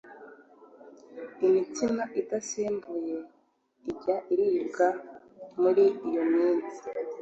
imitsima itasembuwe ijye iribwa muri iyo minsi